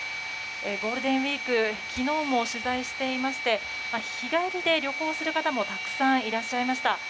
ゴールデンウィーク昨日も取材していまして日帰りで旅行する方もたくさんいらっしゃいました。